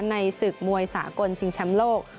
ในศึกมวยสากลชิงแชมป์โลก